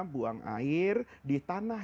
buang air di tanah